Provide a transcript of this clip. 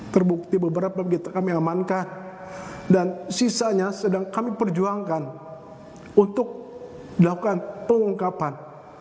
terbukti beberapa kami amankan dan sisanya sedang kami perjuangkan untuk dilakukan pengungkapan